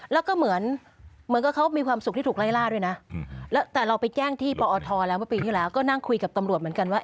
แล้วก็เหมือนกับเขามีความสุขที่ถูกไล่ล่าด้วยนะแล้วแต่เราไปแจ้งที่ปอทแล้วเมื่อปีที่แล้วก็นั่งคุยกับตำรวจเหมือนกันว่า